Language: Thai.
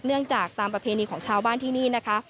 จากตามประเพณีของชาวบ้านที่นี่นะคะ